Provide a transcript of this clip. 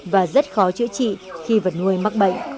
và rất khó chữa trị khi vật nuôi mắc bệnh